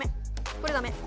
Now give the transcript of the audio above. これダメ。